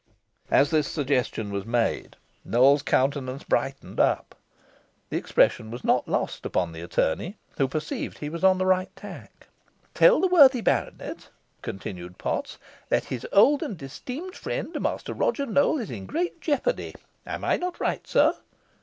As this suggestion was made, Nowell's countenance brightened up. The expression was not lost upon the attorney, who perceived he was on the right tack. "Tell the worthy baronet," continued Potts, "that his old and esteemed friend, Master Roger Nowell, is in great jeopardy am I not right, sir?"